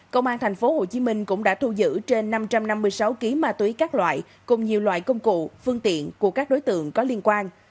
công an tp hcm cũng đã thu giữ trên năm trăm năm mươi sáu ký ma túy các loại cùng nhiều loại công cụ phương tiện của các đối tượng có liên quan